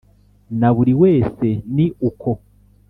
na buri wese ni uko.